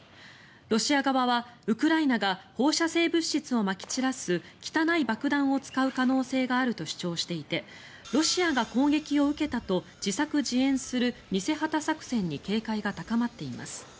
ロシア側はウクライナが放射性物質をまき散らす汚い爆弾を使う可能性があると主張していてロシアが攻撃を受けたと自作自演する偽旗作戦に警戒が高まっています。